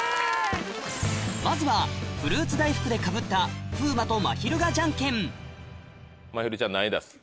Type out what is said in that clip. まずはフルーツ大福でかぶった風磨とまひるがジャンケンまひるちゃん何出す？